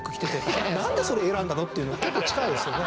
「何でそれ選んだの？」っていうの結構近いですよね。